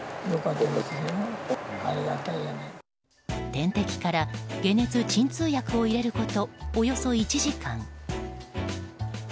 点滴から解熱・鎮痛薬を入れること、およそ１時間。